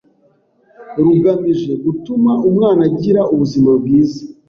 rugamije gutuma umwana agira ubuzima bwiza